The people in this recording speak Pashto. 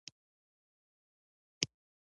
مصنوعي ځیرکتیا د څارنې خطر هم لري.